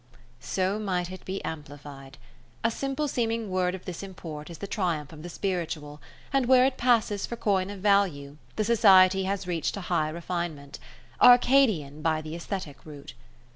So might it be amplified. A simple seeming word of this import is the triumph of the spiritual, and where it passes for coin of value, the society has reached a high refinement: Arcadian by the aesthetic route.